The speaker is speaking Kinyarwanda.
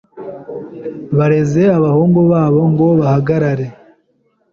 Bareze abahungu babo ngo bahagarare.